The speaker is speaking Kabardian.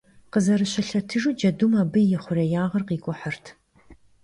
Khızerışılhetıjju, cedum abı yi xhurêyağır khik'uhırt.